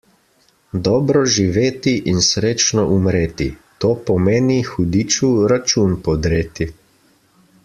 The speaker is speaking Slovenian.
Dobro živeti in srečno umreti – to pomeni hudiču račun podreti.